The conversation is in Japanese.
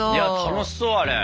いや楽しそうあれ。